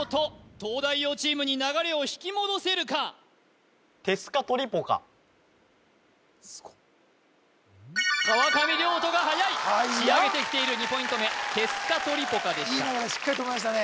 東大王チームに流れを引き戻せるか川上諒人がはやい仕上げてきている２ポイント目「テスカトリポカ」でしたいい問題しっかり止めましたね